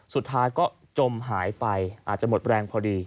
สุดท้ายก็จมหายไปอาจจะหมดแรงพอดี